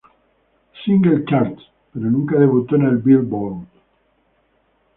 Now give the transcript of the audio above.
Singles Charts pero nunca debutó en el Billboard.